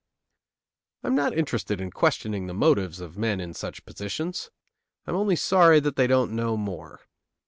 I am not interested in questioning the motives of men in such positions. I am only sorry that they don't know more.